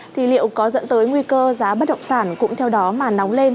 thì liệu có dẫn tới nguy cơ giá bất động sản cũng theo đó mà nóng lên